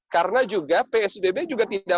karena juga psbb juga tidak